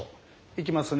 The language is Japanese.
いきますね。